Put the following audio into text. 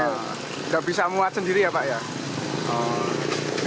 tidak bisa muat sendiri ya pak ya